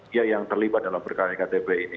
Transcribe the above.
ya yang terlibat dalam perkara ektp ini